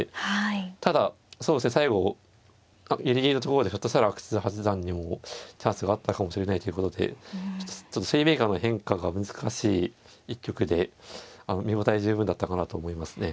ただそうですね最後ギリギリのところでひょっとしたら阿久津八段にもチャンスがあったかもしれないということでちょっと水面下の変化が難しい一局で見応え十分だったかなと思いますね。